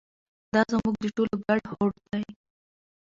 دا زموږ د ټولو ګډ هوډ دی.